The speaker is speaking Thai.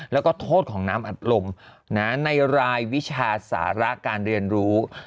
แล้วก็โทษของน้ำอัดลมในรายวิชาสาระการเรียนรู้